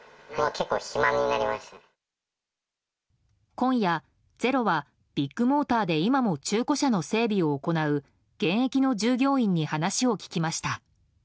今夜「ｚｅｒｏ」はビッグモーターで今も中古車の整備を行う現役の従業員に話を聞きました。